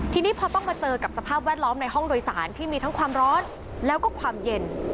ทีนี้พอต้องมาเจอกับสภาพแวดล้อมในห้องโดยสารที่มีทั้งความร้อนแล้วก็ความเย็น